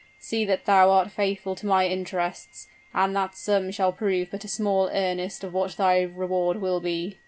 See that thou art faithful to my interests, and that sum shall prove but a small earnest of what thy reward will be."